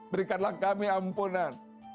berikanlah kami ampunan